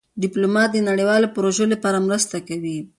ډيپلومات د نړیوالو پروژو لپاره مرسته کوي.